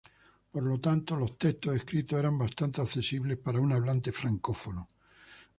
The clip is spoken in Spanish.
Por lo tanto, los textos escritos eran bastante accesibles para un hablante francófono.